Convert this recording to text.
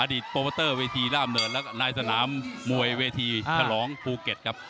โปรโมเตอร์เวทีร่ามเนินแล้วก็นายสนามมวยเวทีฉลองภูเก็ตครับ